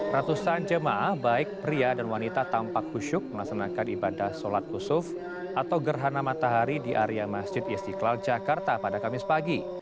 ratusan jemaah baik pria dan wanita tampak kusyuk melaksanakan ibadah sholat khusuf atau gerhana matahari di area masjid istiqlal jakarta pada kamis pagi